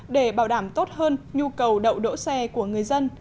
để bảo đảm tốt hơn nhu cầu đậu đỗ xe của người dân